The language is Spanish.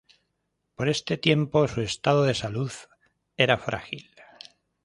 Por este tiempo su estado de salud era frágil.